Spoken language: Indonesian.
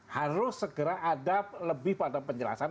harus segera ada lebih pada penjelasan